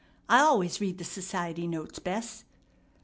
"I always read the society notes, Bess."